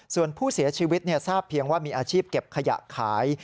ส่วนผู้เสียชีวิตทราบเพียงว่ามีอาชีพเก็บขยะขาย